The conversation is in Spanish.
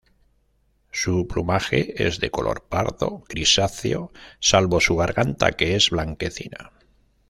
Su plumaje es de color pardo grisáceo salvo su garganta que es blanquecina.